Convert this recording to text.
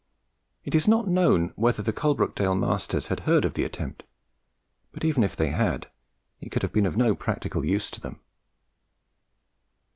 It is not known whether the Coalbrookdale masters had heard of that attempt; but, even if they had, it could have been of no practical use to them.